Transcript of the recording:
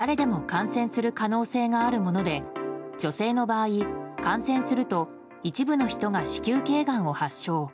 このウイルスは性別に関係なく誰でも感染する可能性があるもので女性の場合感染すると、一部の人が子宮頸がんを発症。